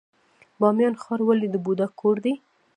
بامیان ښار ولې د بودا کور دی؟